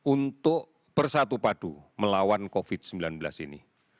untuk bersatu padu melawan covid sembilan belas ini